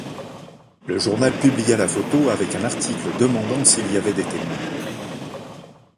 Le journal publia la photo avec un article demandant s'il y avait des témoins.